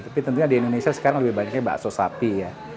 tapi tentunya di indonesia sekarang lebih banyaknya bakso sapi ya